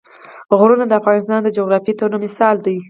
غرونه د افغانستان د جغرافیوي تنوع مثال دی.